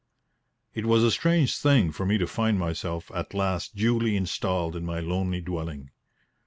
It was a strange thing for me to find myself at last duly installed in my lonely dwelling.